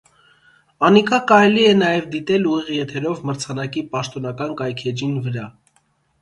Անիկա կարելի է նաեւ դիտել ուղիղ եթերով մրցանակի պաշտօնական կայքէջին վրայ։